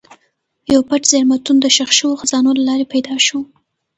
یو پټ زېرمتون د ښخ شوو خزانو له لارې پیدا شو.